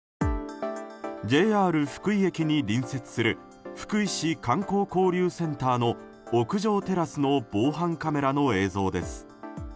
ＪＲ福井駅に隣接する福井市観光交流センターの屋上テラスの防犯カメラの映像です。